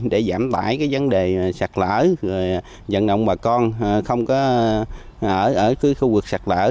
để giảm bãi vấn đề sạt lở nhận động bà con không có ở khu vực sạt lở